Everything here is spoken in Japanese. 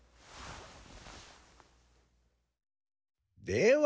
では